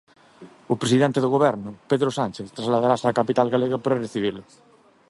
O presidente do Goberno, Pedro Sánchez trasladarase á capital galega para recibilo.